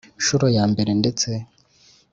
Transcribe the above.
Ncuro ya mbere ndetse